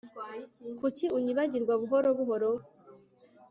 Kuki unyibagirwa buhoro buhoro